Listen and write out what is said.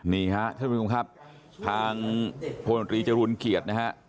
นี่ครับท่านบุญคุณครับทางโภนตรีจรุนเขียดนะฮะ